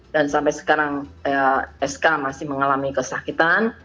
dan sampai sekarang sk masih mengalami kesakitan